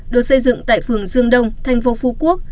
được xây dựng tại phường dương đông thành phố phú quốc